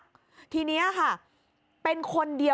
โจทย์กับกว้าย